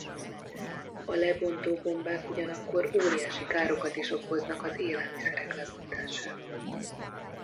A lebontó gombák ugyanakkor óriási károkat is okoznak az élelmiszerek lebontásával.